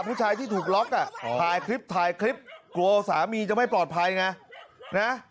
ผู้ชายที่ถูกล็อกอ่ะถ่ายคลิปถ่ายคลิปกลัวสามีจะไม่ปลอดภัยไงนะ